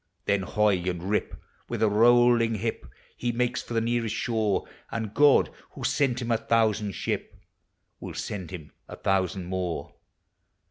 Then hoy and rip, with a rolling hip, He makes for the nearest shore; And God, who sent him a thousand ship, Will send him a thousand more; THE HE A.